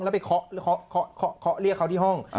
แล้วไปเคาะเรียกเขาที่ห้อง